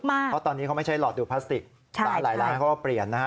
เพราะตอนนี้เขาไม่ใช่หลอดดูพลาสติกร้านหลายร้านเขาก็เปลี่ยนนะฮะ